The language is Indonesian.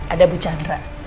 ada bu chandra